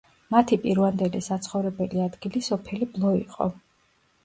მათი პირვანდელი საცხოვრებელი ადგილი სოფელი ბლო იყო.